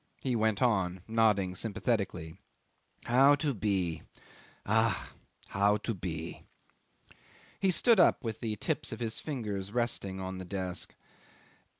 ." He went on nodding sympathetically. ... "How to be! Ach! How to be." 'He stood up with the tips of his fingers resting on the desk.